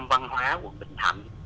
văn hóa quận bình thạnh